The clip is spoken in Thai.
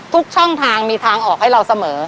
ทุกช่องทางมีทางออกให้เราเสมอ